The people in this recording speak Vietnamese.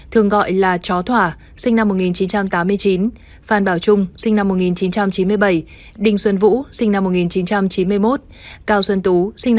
thường gọi là chó thỏa phan bảo trung đinh xuân vũ cao xuân tú